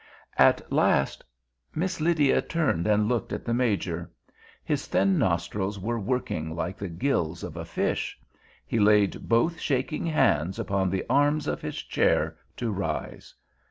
At last Miss Lydia turned and looked at the Major. His thin nostrils were working like the gills of a fish. He laid both shaking hands upon the arms of his chair to rise.